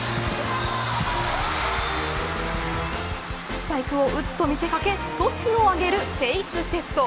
スパイクを打つと見せかけトスを上げるフェイクセット。